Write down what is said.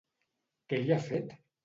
Què li ha fet?